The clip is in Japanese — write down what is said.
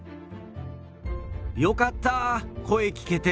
よかったー、声聞けて。